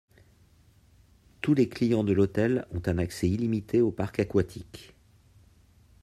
Tous les clients de l'hôtel ont un accès illimité au parc aquatique.